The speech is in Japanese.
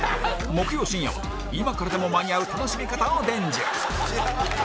木曜深夜は今からでも間に合う楽しみ方を伝授